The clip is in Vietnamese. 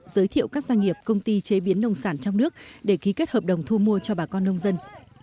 giới thiệu các doanh nghiệp công ty chế biến nông sản trong nước để ký kết hợp đồng thu mua cho bà con nông dân